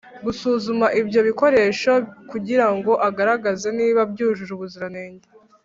gusuzuma ibyo bikoresho kugira ngo agaragaze niba byujuje ubuziranenge